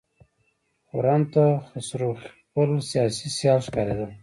خرم ته خسرو خپل سیاسي سیال ښکارېده.